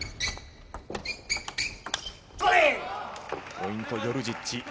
ポイント、ヨルジッチ。